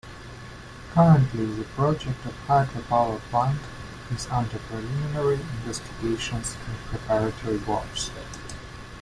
Currently the project of hydro power plant is under preliminary investigations and preparatory works.